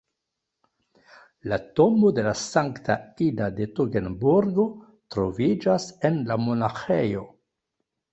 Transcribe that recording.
La tombo de la Sankta Ida de Togenburgo troviĝas en la monaĥejo.